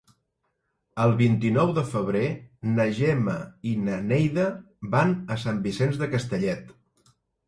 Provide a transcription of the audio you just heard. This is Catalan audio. El vint-i-nou de febrer na Gemma i na Neida van a Sant Vicenç de Castellet.